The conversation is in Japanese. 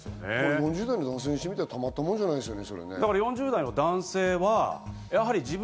４０代の男性にしてみたらたまったもんじゃないですね。